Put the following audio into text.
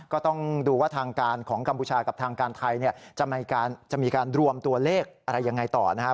ก็ต้องดูว่าทางการของกัมพูชากับทางการไทยจะมีการรวมตัวเลขอะไรยังไงต่อนะครับ